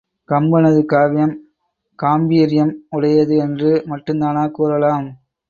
கம்பனது காவியம் காம்பீர்யம் உடையது என்று மட்டுந்தானா கூறலாம்.